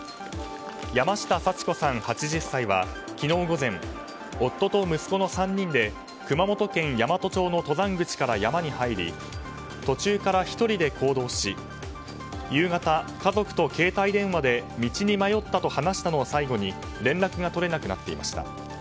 山下幸子さん、８０歳は昨日午前夫と息子の３人で熊本県山都町の登山口から山に入り、途中から１人で行動し夕方、家族と携帯電話で道に迷ったと話したのを最後に連絡が取れなくなっていました。